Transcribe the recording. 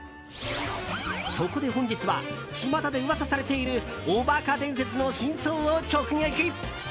そこで本日はちまたで噂されているお馬鹿伝説の真相を直撃。